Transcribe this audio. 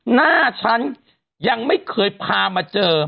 หน้าฉันยังไม่เคยพามาเจอ